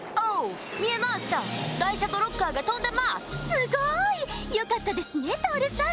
すごい！よかったですねトオルさん。